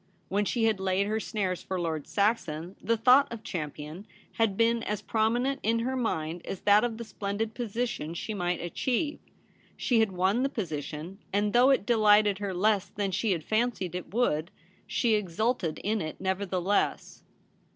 When she had laid her snares for Lord Saxon the thought of Champion had been as prominent in her mind as that of the splendid position she might achieve. She had won the position ; and though it delighted her less than she had fancied it would, she exulted in it nevertheless.